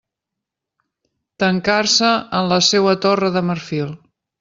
Tancar-se en la seua torre de marfil.